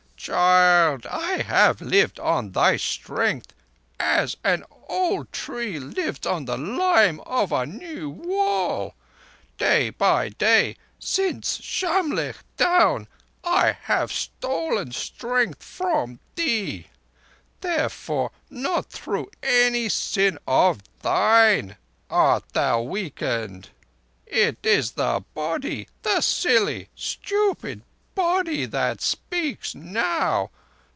Child, I have lived on thy strength as an old tree lives on the lime of a new wall. Day by day, since Shamlegh down, I have stolen strength from thee. Therefore, not through any sin of thine, art thou weakened. It is the Body—the silly, stupid Body—that speaks now.